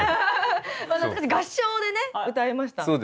合唱でね歌いました。